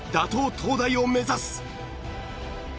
東大を目指す！